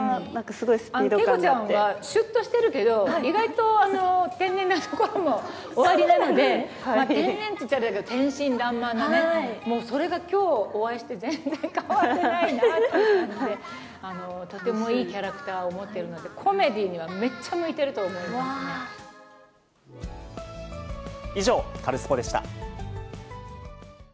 景子ちゃんはしゅっとしてるけど、意外と天然なところもおありなので、天然って言っちゃあれだけど、天真らんまんなね、それがきょう、お会いして、全然変わってないなっていう感じで、とてもいいキャラクターを持っているので、コメディーにはめっちゃ向いてる以上、カルスポっ！でした。